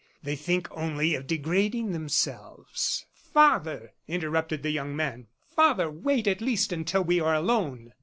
They think only of degrading themselves." "Father," interrupted the young man; "father, wait, at least, until we are alone!"